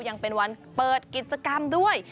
ยังเป็นวันเปิดกิจกรรมด้วย